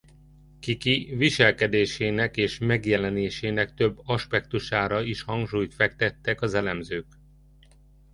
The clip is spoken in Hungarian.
Kiki viselkedésének és megjelenésének több aspektusára is hangsúlyt fektettek az elemzők.